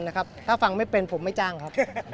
ถ้าอย่างนั้นครับถ้าฟังไม่ได้ก็จะไม่จังครับ